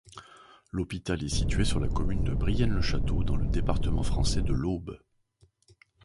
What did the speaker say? L'hôpital est situé sur la commune de Brienne-le-Château, dans le département français de l'Aube.